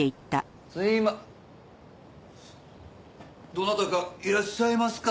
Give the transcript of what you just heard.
どなたかいらっしゃいますか？